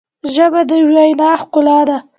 ژبه د وینا ښکلا ده.